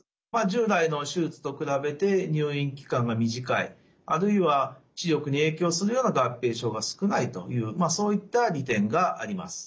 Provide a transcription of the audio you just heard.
従来の手術と比べて入院期間が短いあるいは視力に影響するような合併症が少ないというそういった利点があります。